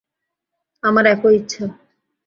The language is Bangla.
আমার একই ইচ্ছা।